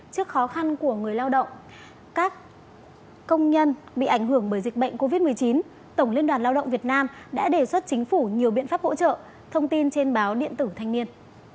trước khó khăn của người lao động các công nhân bị ảnh hưởng bởi dịch bệnh covid một mươi chín tổng liên đoàn lao động việt nam đã đề xuất chính phủ nhiều biện pháp hỗ trợ thông tin trên báo điện tử thanh niên